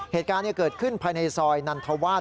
เหตุการณ์เกิดขึ้นภายในซอยนันทวาส